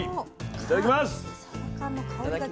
いただきます。